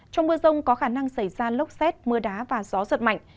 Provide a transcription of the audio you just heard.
trong mưa rông có khả năng xảy ra lốc xét mưa đá và gió giật mạnh